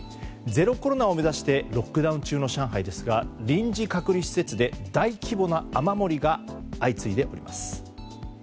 ゼロコロナを目指してロックダウン中の上海ですが臨時隔離施設で大規模な雨漏りが相次いでおります。